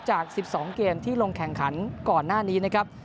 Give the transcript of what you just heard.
จาก๑๒เกมที่ลงแข่งขันก่อนหน้านี้นะครับ